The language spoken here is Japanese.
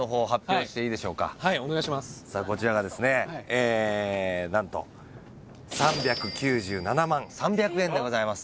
こちらがですねえ何と３９７万３００円でございます